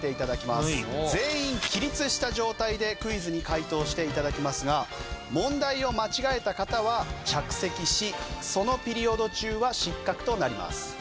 全員起立した状態でクイズに解答して頂きますが問題を間違えた方は着席しそのピリオド中は失格となります。